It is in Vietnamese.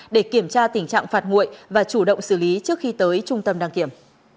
để kiểm tra tình trạng phạt nguội và chủ động xử lý trước khi tới trung tâm đăng kiểm